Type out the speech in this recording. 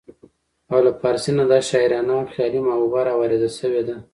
او له پارسۍ نه دا شاعرانه او خيالي محبوبه راوارده شوې ده